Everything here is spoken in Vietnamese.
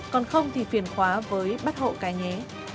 còn không thì phiền khóa với bắt hậu cái nhé